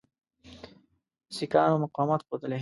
سیکهانو مقاومت ښودلی.